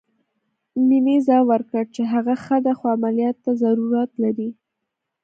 مينې ځواب ورکړ چې هغه ښه ده خو عمليات ته ضرورت لري.